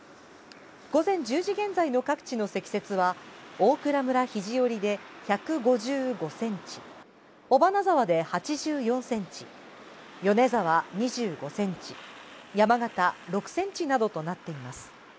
午前１０時現在の各地の積雪は大蔵村肘折で１５５ｃｍ、尾花沢で８４ｃｍ、米沢２５ｃｍ、山形６ｃｍなどとなっています。